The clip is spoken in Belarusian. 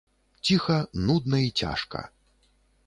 Ціха, нудна і цяжка.